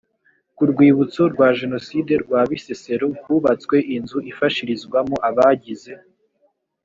ku rwibutso rwa jenoside rwa bisesero hubatswe inzu ifashirizwamo abagize